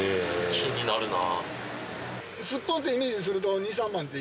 気になるな。